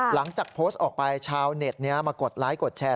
หลังจากโพสต์ออกไปชาวเน็ตมากดไลค์กดแชร์